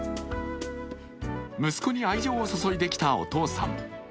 息子に愛情を注いできたお父さん。